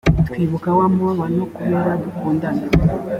twibuka wa mubabano kubera dukundana